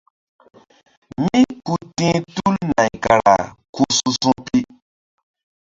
Mí ku ti̧h tul nay kara ku su̧su̧pi.